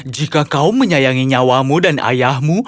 jika kau menyayangi nyawamu dan ayahmu